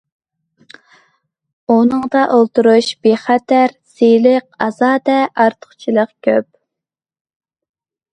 ئۇنىڭدا ئولتۇرۇش بىخەتەر، سىلىق، ئازادە، ئارتۇقچىلىقى كۆپ.